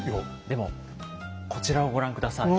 でもこちらをご覧下さい。